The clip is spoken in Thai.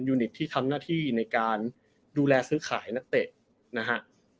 นิตที่ทำหน้าที่ในการดูแลซื้อขายนักเตะนะฮะ